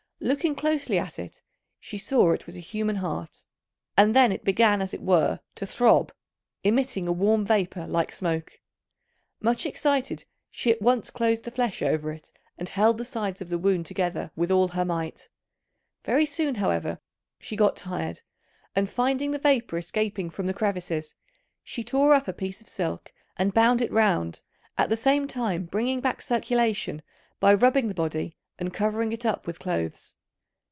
Looking closely at it, she saw it was a human heart; and then it began as it were to throb, emitting a warm vapour like smoke. Much excited, she at once closed the flesh over it, and held the sides of the wound together with all her might. Very soon, however, she got tired, and finding the vapour escaping from the crevices, she tore up a piece of silk and bound it round, at the same time bringing back circulation by rubbing the body and covering it up with clothes.